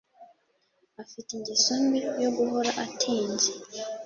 Afite ingeso mbi yo guhora atinze